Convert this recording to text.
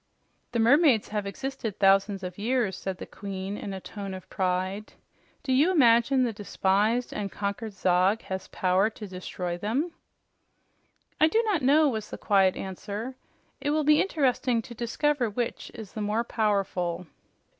"The mermaids have existed thousands of years," said the Queen in a tone of pride. "Do you imagine the despised and conquered Zog has power to destroy them?" "I do not know," was the quiet answer. "It will be interesting to discover which is the more powerful."